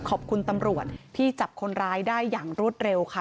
ขอบคุณตำรวจที่จับคนร้ายได้อย่างรวดเร็วค่ะ